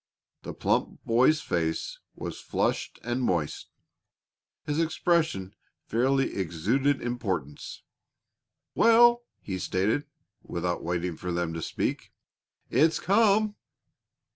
The plump boy's face was flushed and moist; his expression fairly exuded importance. "Well!" he stated, without waiting for them to speak. "It's come."